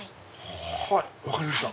はい分かりました。